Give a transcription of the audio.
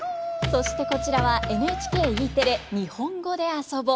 そしてこちらはＮＨＫＥテレ「にほんごであそぼ」。